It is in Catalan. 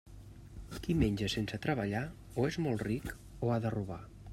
Qui menja sense treballar, o és molt ric, o ha de robar.